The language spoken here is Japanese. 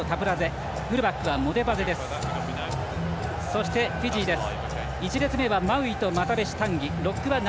そして、フィジーです。